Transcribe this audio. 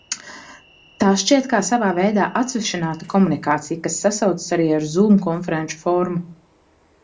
Tā šķiet kā savā veidā atsvešināta komunikācija, kas sasaucas arī ar Zūm konferenču formu.